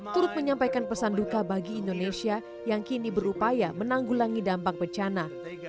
turut menyampaikan pesan duka bagi indonesia yang kini berupaya menanggulangi dampak bencana